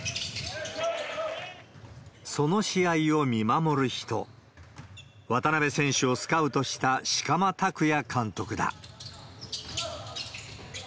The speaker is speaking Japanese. その試合を見守る人、渡邊選手をスカウトした色摩拓也監督だ。